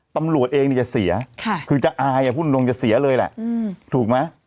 ตำรวจเองเนี่ยจะเสียคือจะอายพูดตรงจะเสียเลยแหละถูกไหม